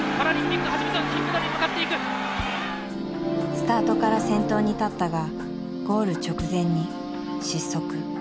スタートから先頭に立ったがゴール直前に失速。